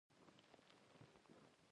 د خوړو نړیوال سازمان مرسته کوي.